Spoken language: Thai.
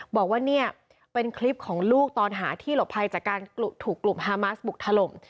บอกว่าเนี่ยเป็นคลิปของลูกตอนหาที่หลบภัยจากการถูกกลุ่มฮามาสบุกถล่ม